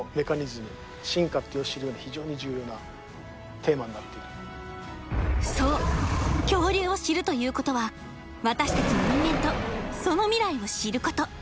テーマになってるそう恐竜を知るということは私たち人間とその未来を知ること